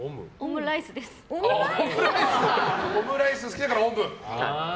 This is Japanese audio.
オムライス好きだからオム。